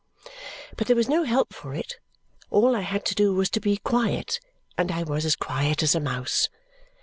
But there was no help for it. All I had to do was to be quiet, and I was as quiet as a mouse.